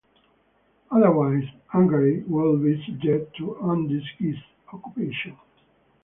Otherwise, Hungary would be subject to undisguised occupation.